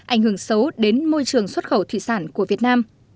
ảnh hưởng xấu đến môi trường xuất khẩu thủy sản của việt nam